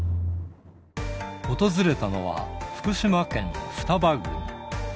訪れたのは、福島県双葉郡。